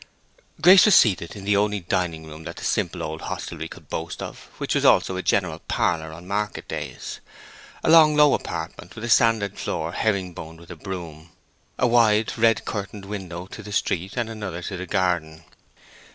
Grace was seated in the only dining room that the simple old hostelry could boast of, which was also a general parlor on market days; a long, low apartment, with a sanded floor herring boned with a broom; a wide, red curtained window to the street, and another to the garden.